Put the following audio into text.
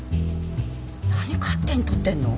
何勝手に撮ってんの？